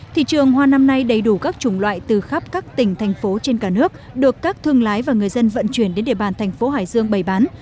thị trường hoa năm nay đầy đủ các chủng loại từ khắp các tỉnh thành phố trên cả nước được các thương lái và người dân vận chuyển đến địa bàn thành phố hải dương bày bán